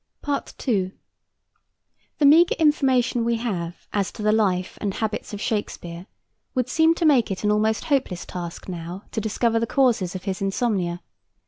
II. The meagre information we have as to the life and habits of Shakespeare would seem to make it an almost hopeless task now to discover the causes of his insomnia.